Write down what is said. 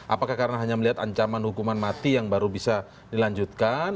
apakah karena hanya melihat ancaman hukuman mati yang baru bisa dilanjutkan